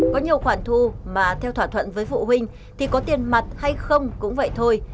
có nhiều khoản thu mà theo thỏa thuận với phụ huynh thì có tiền mặt hay không cũng vậy thôi